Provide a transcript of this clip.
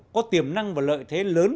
có tiềm năng và lợi thế lớn